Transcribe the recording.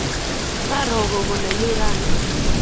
Karo gogo nenyu raini